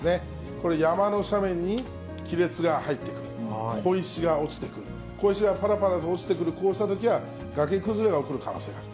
これ、山の斜面に亀裂が入ってくる、小石が落ちてくる、小石がぱらぱらと落ちてくる、こうしたときは崖崩れが起きる可能性がある。